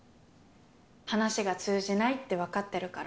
話が通じないって分かってるから。